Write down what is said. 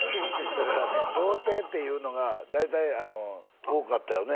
だからね童亭っていうのが大体多かったよね。